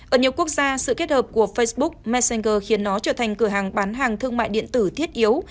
ở nhiều quốc gia sự kết hợp của facebook messenger khiến nó trở thành cửa hàng bán hàng thương mại điện tử thiết yếu